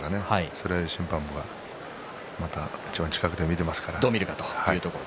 それは審判部がいちばん近くで見ていますから。